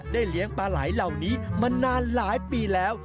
เลี้ยงปลาไหลเหล่านี้มานานหลายปีแล้ว